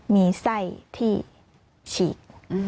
มีไส้ที่ฉีก